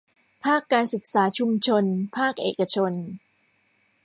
ภาคการศึกษาชุมชนภาคเอกชน